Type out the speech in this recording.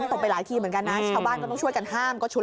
ตบไปหลายทีเหมือนกันนะชาวบ้านก็ต้องช่วยกันห้ามก็ชุด